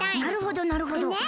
なるほどなるほど。